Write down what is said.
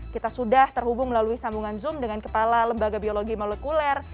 kita sudah terhubung melalui sambungan zoom dengan kepala lembaga biologi molekuler